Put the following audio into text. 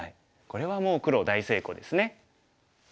これはもう黒大成功ですね。